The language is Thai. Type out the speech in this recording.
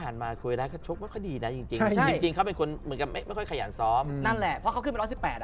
นั่นแหละเพราะเขาขึ้นเป็นรถ๑๘อ่ะ